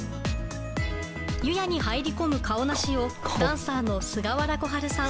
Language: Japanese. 湯屋に入り込むカオナシをダンサーの菅原小春さん